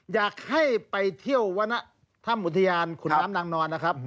อยากให้ไปเที่ยววรรณถ้ำอุทยานขุนน้ำนางนอนนะครับ